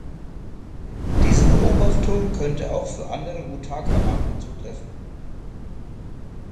Diese Beobachtung könnte auch für andere Utaka-Arten zutreffen.